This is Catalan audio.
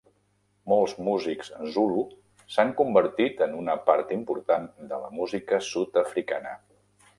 Molts músics Zulu s'han convertit en una part important de la música sud-africana.